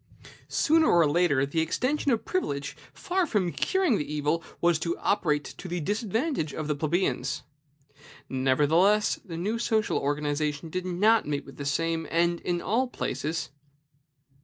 Sooner or later the extension of privilege, far from curing the evil, was to operate to the disadvantage of the plebeians. Nevertheless, the new social organization did not meet with the same end in all places.